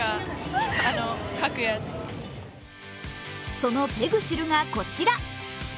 そのペグシルがこちら。